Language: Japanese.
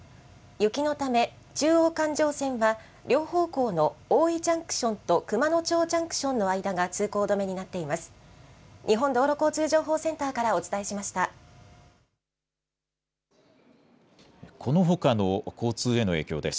雪のため、中央環状線は、両方向の大井ジャンクションと熊野町ジャンクションの間が通行止めになっています。